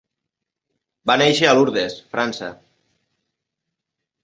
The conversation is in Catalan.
Va néixer a Lourdes, França.